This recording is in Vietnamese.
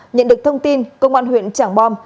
nhận được thông tin công an huyện trảng bom